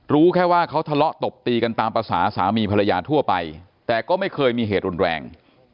รู้แค่ว่าเขาทะเลาะตบตีกันตามภาษาสามีภรรยาทั่วไปแต่ก็ไม่เคยมีเหตุรุนแรง